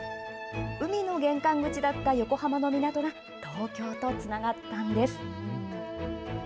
海の玄関口だった横浜の港が東京とつながったんです。